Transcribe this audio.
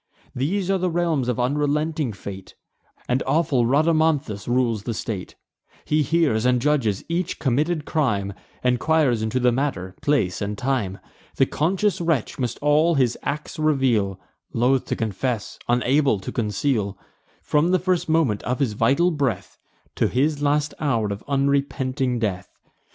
These are the realms of unrelenting fate; And awful Rhadamanthus rules the state. He hears and judges each committed crime; Enquires into the manner, place, and time. The conscious wretch must all his acts reveal, Loth to confess, unable to conceal, From the first moment of his vital breath, To his last hour of unrepenting death.